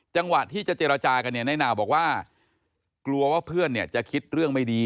จังหวะที่จะเจรจากันเนี่ยนายนาวบอกว่ากลัวว่าเพื่อนเนี่ยจะคิดเรื่องไม่ดี